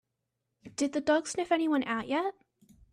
Did the dog sniff anyone out yet?